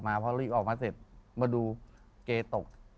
ผ่านหวากมามาดูเกะตก